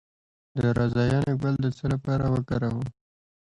د رازیانې ګل د څه لپاره وکاروم؟